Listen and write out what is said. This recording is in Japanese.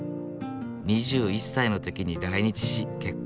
２１歳の時に来日し結婚。